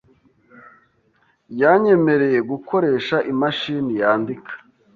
Yanyemereye gukoresha imashini yandika.